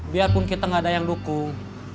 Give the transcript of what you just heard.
biarpun kita gak ada yang dukung